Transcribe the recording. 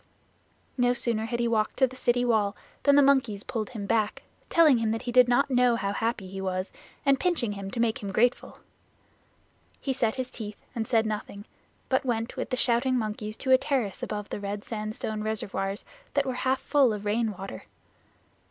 No sooner had he walked to the city wall than the monkeys pulled him back, telling him that he did not know how happy he was, and pinching him to make him grateful. He set his teeth and said nothing, but went with the shouting monkeys to a terrace above the red sandstone reservoirs that were half full of rain water.